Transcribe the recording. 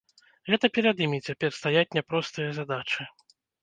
Гэта перад імі цяпер стаяць няпростыя задачы.